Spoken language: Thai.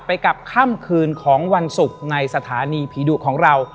กับค่ำคืนของวันศุกร์ในสถานีผีดุของเรา